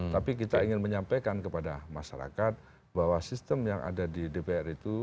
tapi kita ingin menyampaikan kepada masyarakat bahwa sistem yang ada di dpr itu